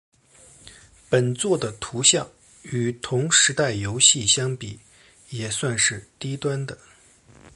本作的图像与同时代游戏相比也算是低端的。